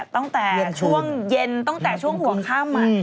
ตั้งแต่ช่วงเย็นตั้งแต่ช่วงหัวค่ำ